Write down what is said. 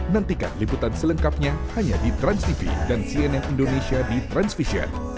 nantikan liputan selengkapnya hanya di transtv dan cnn indonesia di transvision